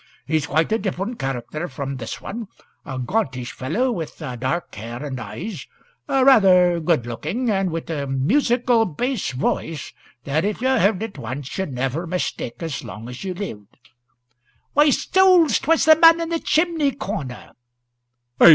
He's quite a different character from this one; a gauntish fellow, with dark hair and eyes, rather good looking, and with a musical bass voice that, if you heard it once, you'd never mistake as long as you lived." "Why, souls, 't was the man in the chimney corner!"